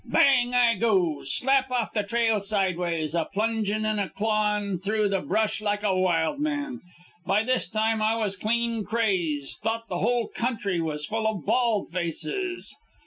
"Bang I goes, slap off the trail sideways, a plungin' and a clawin' through the brush like a wild man. By this time I was clean crazed; thought the whole country was full of bald faces.